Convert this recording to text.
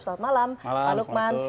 selamat malam pak lukman